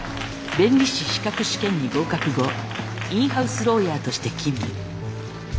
弁理士資格試験に合格後インハウスローヤーとして勤務。